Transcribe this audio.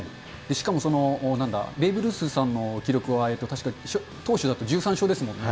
しかもなんだ、ベーブ・ルースさんの記録は確か投手だと１３勝ですもんね。